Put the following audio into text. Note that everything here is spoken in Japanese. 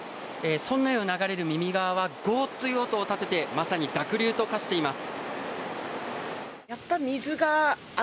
村内を流れる耳川はゴーという音を立ててまさに濁流と化しています。